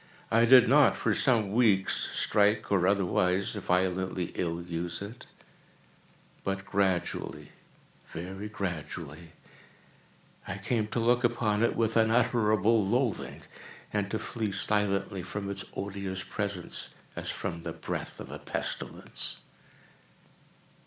I did not, for some weeks, strike, or otherwise violently ill use it; but gradually—very gradually—I came to look upon it with unutterable loathing, and to flee silently from its odious presence, as from the breath of a pestilence.